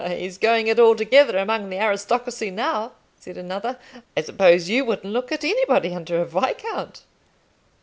"He's going it altogether among the aristocracy, now," said another; "I suppose you wouldn't look at anybody under a viscount?"